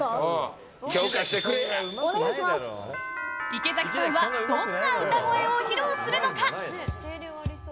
池崎さんはどんな歌声を披露するのか。